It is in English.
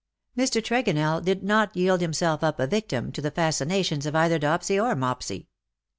Mr. Tregonell did not yield himself up a victim to the fascinations of either Dopsy or Mopsy.